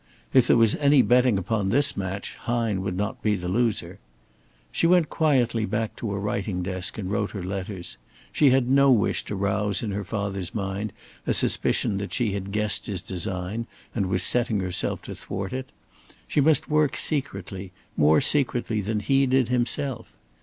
If there was any betting upon this match, Hine would not be the loser. She went quietly back to a writing desk and wrote her letters. She had no wish to rouse in her father's mind a suspicion that she had guessed his design and was setting herself to thwart it. She must work secretly, more secretly than he did himself.